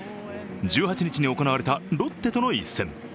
１８日に行われたロッテとの一戦。